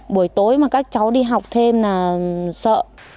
buổi tối mà các cháu đi học thêm là sợ